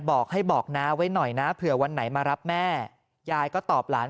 บอกให้บอกน้าไว้หน่อยนะเผื่อวันไหนมารับแม่ยายก็ตอบหลาน